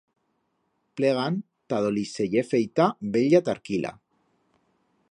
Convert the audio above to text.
Plegan ta do lis se ye feita bella tarquila.